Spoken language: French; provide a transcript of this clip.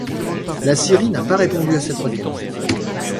La Syrie n'a pas répondu à cette requête.